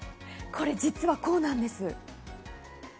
これ、実はこうなんです。